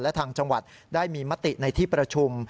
และทางจังหวัดได้มีมติในที่ประชุม